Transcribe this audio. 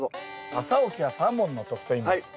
朝起きは三文の徳といいます。